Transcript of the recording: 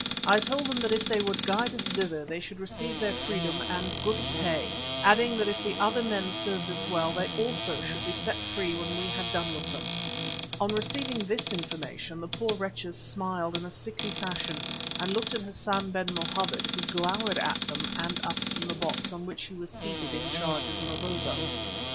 I told them that if they would guide us thither, they should receive their freedom and good pay, adding that if the other men served us well, they also should be set free when we had done with them. On receiving this information the poor wretches smiled in a sickly fashion and looked at Hassan ben Mohammed, who glowered at them and us from the box on which he was seated in charge of Mavovo.